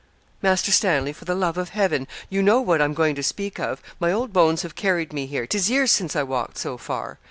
'Master Stanley, for the love of Heaven you know what I'm going to speak of; my old bones have carried me here 'tis years since I walked so far.